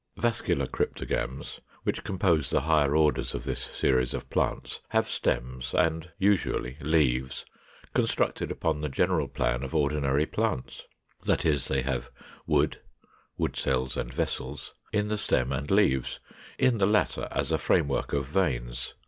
=Vascular Cryptogams=, which compose the higher orders of this series of plants, have stems and (usually) leaves, constructed upon the general plan of ordinary plants; that is, they have wood (wood cells and vessels, 408) in the stem and leaves, in the latter as a frame work of veins.